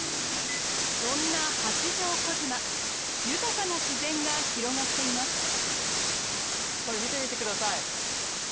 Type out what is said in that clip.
そんな八丈小島豊かな自然が広がっています。